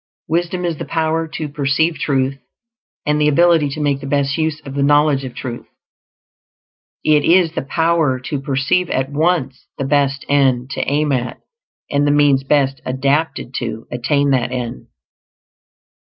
Wisdom is the power to perceive truth, and the ability to make the best use of the knowledge of truth. It is the power to perceive at once the best end to aim at, and the means best adapted to attain that end.